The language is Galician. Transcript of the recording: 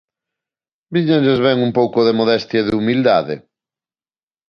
Víñalles ben un pouco de modestia e de humildade.